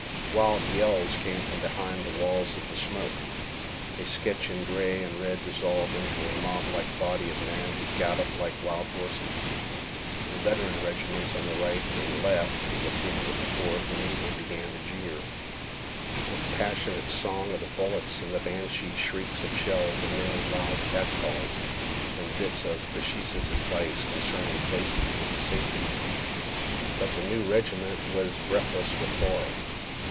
Wild yells came from behind the walls of smoke. A sketch in gray and red dissolved into a moblike body of men who galloped like wild horses. The veteran regiments on the right and left of the 304th immediately began to jeer. With the passionate song of the bullets and the banshee shrieks of shells were mingled loud catcalls and bits of facetious advice concerning places of safety. But the new regiment was breathless with horror.